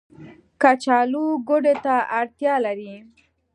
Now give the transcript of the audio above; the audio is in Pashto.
کچالو ګودې ته اړتيا لري